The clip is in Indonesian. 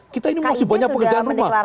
kita ini masih banyak pekerjaan rumah